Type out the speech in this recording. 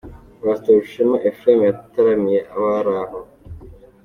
Pastor Rushema Ephrem yataramiye abari aho.